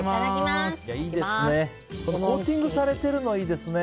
コーティングされているのいいですね。